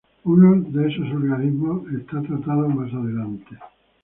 Uno de esos algoritmos es tratado más adelante.